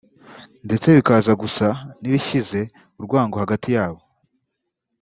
ndetse bikaza gusa n’ibishyize urwango hagati yabo